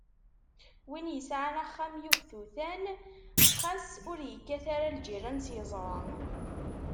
Win yesɛan axxam yehtutan, xas ur yekkat ara lǧiran s yeẓra